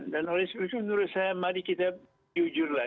dan oleh sebetulnya menurut saya mari kita jujurlah